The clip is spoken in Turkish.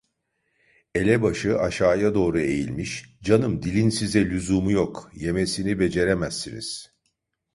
Elebaşı aşağıya doğru eğilmiş: "Canım, dilin size lüzumu yok! Yemesini beceremezsiniz!"